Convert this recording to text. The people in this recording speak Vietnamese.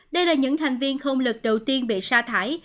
đây là những thành viên không lực đầu tiên bị sa thải